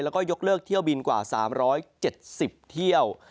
แล้วก็ยกเลิกเที่ยวบินกว่า๓๗๐เที่ยว